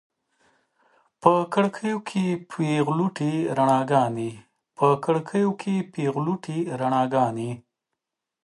په کړکیو کې پیغلوټې روڼاګانې